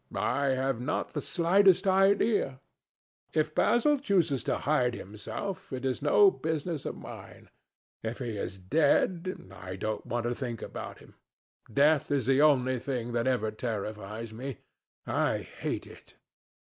"I have not the slightest idea. If Basil chooses to hide himself, it is no business of mine. If he is dead, I don't want to think about him. Death is the only thing that ever terrifies me. I hate it."